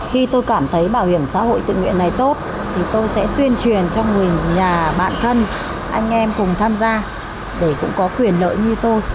khi tôi cảm thấy bảo hiểm xã hội tự nguyện này tốt thì tôi sẽ tuyên truyền cho người nhà bạn thân anh em cùng tham gia để cũng có quyền lợi như tôi